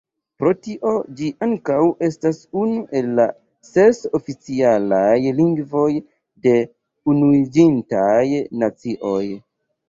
Pro tio ĝi ankaŭ estas unu el la ses oficialaj lingvoj de Unuiĝintaj Nacioj.